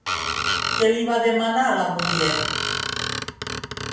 Què li va demanar la muller?